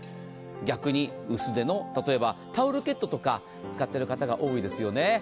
逆に薄手の例えばタオルケットとか使ってる方が多いですよね。